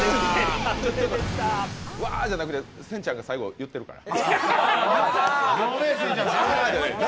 うわーじゃなくてせんちゃんが最後言ってるから。